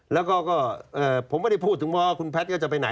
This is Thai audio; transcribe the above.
แล้วก็ผมไม่ได้พูดถึงว่าคุณแพทย์ก็จะไปไหน